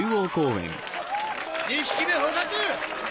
２匹目捕獲！